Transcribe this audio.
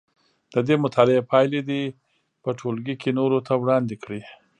د دې مطالعې پایلې دې په ټولګي کې نورو ته وړاندې کړي.